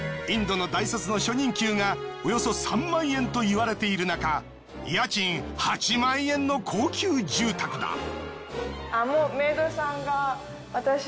インドの大卒の初任給がおよそ３万円といわれているなか家賃８万円の高級住宅だ。